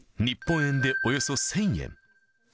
日本円でおよそ１０００円。